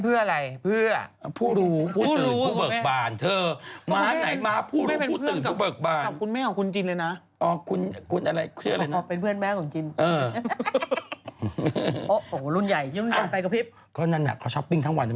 ฉันโทรหาทำความมะวัตนะไว้เลยเขาว่าจะด่าฉันก็ใหญ่เลย